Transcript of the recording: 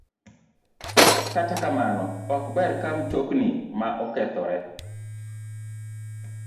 Kata kamano ok ber ka mtokni ma okethore